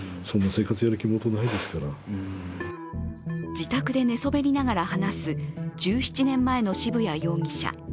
自宅で寝そべりながら話す１７年前の渋谷容疑者。